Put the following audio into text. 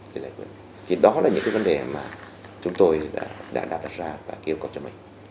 thì đó là những vấn đề mà chúng tôi đã đạt ra và yêu cầu cho mình